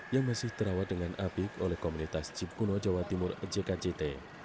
yang masih terawat dengan apik oleh komunitas jeep kuno jawa timur jkjt